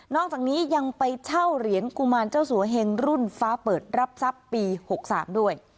อกจากนี้ยังไปเช่าเหรียญกุมารเจ้าสัวเฮงรุ่นฟ้าเปิดรับทรัพย์ปี๖๓ด้วย